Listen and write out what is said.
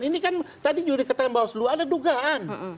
ini kan tadi juri ketemu bawaslu ada dugaan